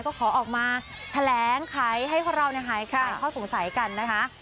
ก็ขอออกมาแถลงขายให้คนเราหายคลายข้อสงสัยกันนะคะ